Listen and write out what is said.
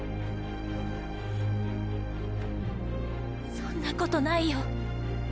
そんなことないよ。